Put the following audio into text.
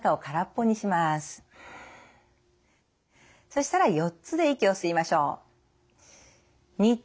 そしたら４つで息を吸いましょう。